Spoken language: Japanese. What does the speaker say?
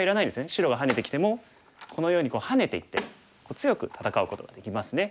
白がハネてきてもこのようにハネていって強く戦うことができますね。